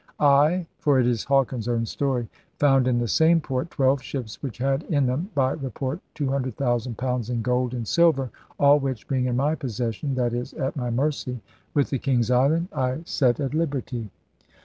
I [for it is Hawkins's own story] found in the same port 12 ships which had in them by report £200,000 in gold and silver, all which, being in my possession [L e., at my mercy] with the King's Island ... I set at liberty.